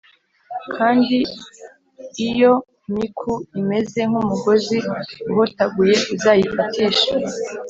Kandi Iyo Miku Imeze Nk Umugozi Uhotaguye Uzayifatishe